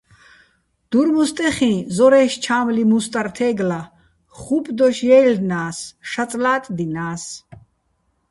დურმუსტეხიჼ ზორაჲში̆ ჩა́მლიჼ მუსტარ თე́გლა, ხუპდოშ ჲაჲლლნა́ს, შაწ ლატდინა́ს.